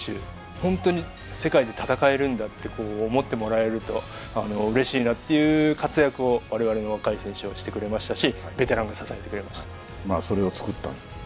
本当に世界で戦えるんだと思ってもらえるとうれしいなという活躍をわれわれの若い選手はしてくれましたしそれをつくった。